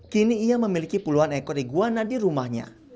kini ia memiliki puluhan ekor iguana di rumahnya